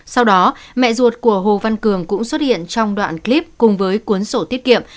sau đó mẹ ruột của hồ văn cường cũng xuất hiện trong đoạn clip cùng với cuốn sổ tiết kiệm